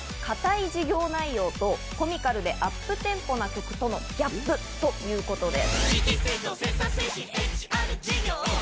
見どころはかたい事業内容とコミカルでアップテンポな曲とのギャップということです。